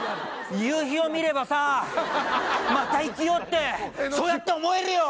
夕日を見ればさまた生きようってそうやって思えるよ！